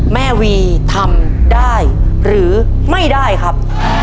แม่วีทำได้หรือไม่ได้ครับ